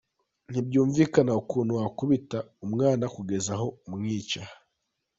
Ntibyumvikana ukuntu wakubita umwana kugeza aho umwica.